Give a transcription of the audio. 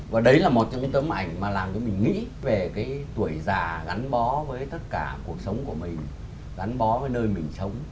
và đấy là một trong những tấm ảnh mà làm cho mình nghĩ về cái tuổi già gắn bó với tất cả cuộc sống của mình gắn bó với nơi mình sống